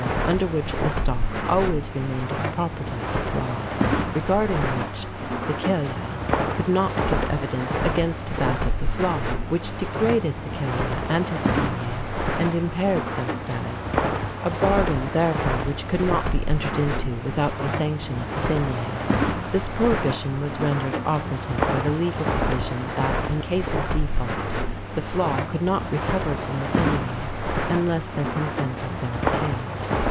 under which the stock always remained the property of the flaith, regarding which the ceile could not give evidence against that of the flaith, which degraded the ceile and his fine and impaired their status; a bargain therefore which could not be entered into without the sanction of the fine. This prohibition was rendered operative by the legal provision that in case of default the flaith could not recover from the fine unless their consent had been obtained.